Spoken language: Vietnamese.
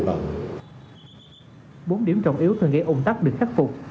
bốn điểm trọng yếu từng gây ủng tắc được khắc phục